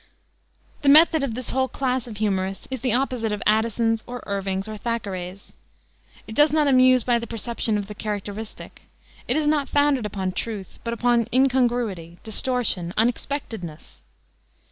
The method of this whole class of humorists is the opposite of Addison's or Irving's or Thackeray's. It does not amuse by the perception of the characteristic. It is not founded upon truth, but upon incongruity, distortion, unexpectedness.